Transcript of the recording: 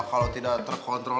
kalau tidak terkontrol